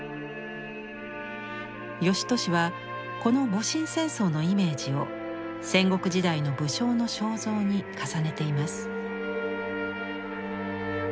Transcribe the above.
芳年はこの戊辰戦争のイメージを戦国時代の武将の肖像に重ねています。